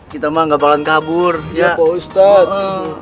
kita mah gak bakalan kabur ya pak ustadz